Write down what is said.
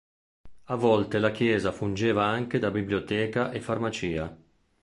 A volte la chiesa fungeva anche da biblioteca e farmacia.